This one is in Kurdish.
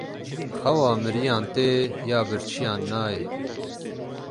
Xewa miriyan tê, ya birçiyan nayê.